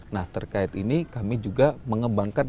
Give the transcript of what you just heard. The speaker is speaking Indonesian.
nah terkait ini kami juga mengembangkan